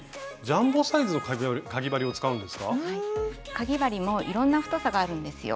かぎ針もいろんな太さがあるんですよ。